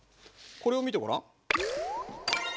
これを見てごらん。